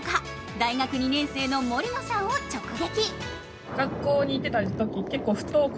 大学２年生の杜野さんを直撃。